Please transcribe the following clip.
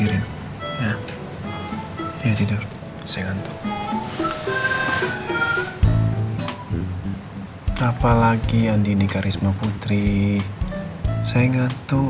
rasanya lega banget ya